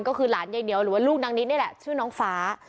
ก็คือหลานยายเหนียวหรือว่าลูกนางนิดนี่แหละชื่อน้องฟ้า